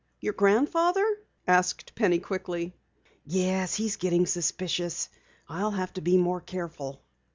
"Your grandfather?" asked Penny quickly. "Yes, he's getting suspicious. I'll have to be more careful."